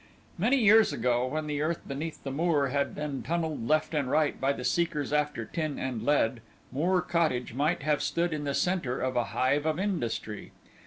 Many years ago when the earth beneath the moor had been tunnelled left and right by the seekers after tin and lead, Moor Cottage might have stood in the centre of a hive of industry.